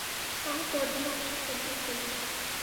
তাহার পরদিনও আসন পরিত্যাগ করি নাই।